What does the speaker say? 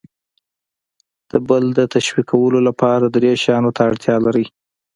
د بل د تشویقولو لپاره درې شیانو ته اړتیا لر ئ :